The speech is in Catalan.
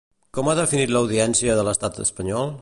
Com ha definit l'audiència de l'estat espanyol?